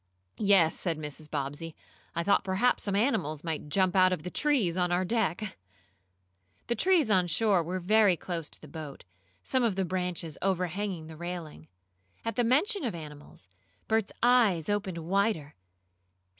"Yes," said Mrs. Bobbsey, "I thought perhaps some animals might jump out of the trees on our deck." The trees on shore were very close to the boat, some of the branches overhanging the railing. At the mention of animals, Bert's eyes opened wider.